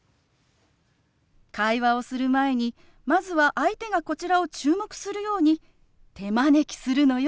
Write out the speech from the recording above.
会話をする前にまずは相手がこちらを注目するように手招きするのよ。